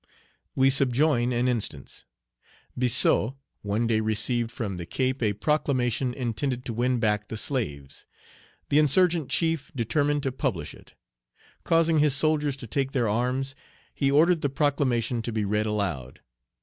We subjoin an instance. Biassou one day received from the Cape a proclamation intended to win back the slaves. The insurgent chief determined to publish it. Causing his soldiers to take their arms, he ordered the proclamation to be read aloud.